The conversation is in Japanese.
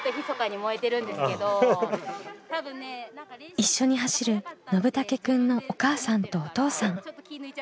一緒に走るのぶたけくんのお母さんとお父さん。